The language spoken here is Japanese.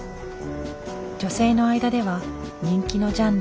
女性の間では人気のジャンル。